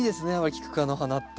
キク科の花って。